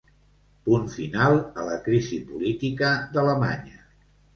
Punt final a la crisi política d’Alemanya.